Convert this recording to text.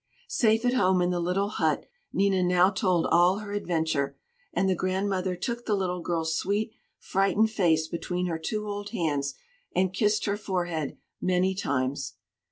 Safe at home in the little hut, Nina now told all her adventure; and the grandmother took the little girl's sweet, frightened face between her two old hands, and kissed her forehead many times.